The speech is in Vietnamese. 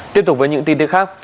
tiếp tục với những tin tức khác